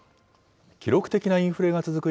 記録的なインフレが続く